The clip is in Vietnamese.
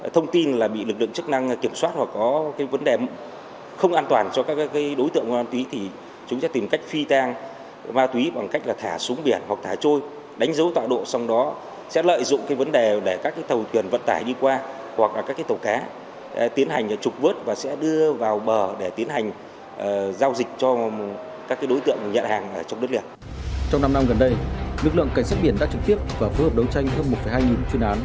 trong năm năm gần đây lực lượng cảnh sát biển đã trực tiếp và phối hợp đấu tranh hơn một hai nghìn chuyên án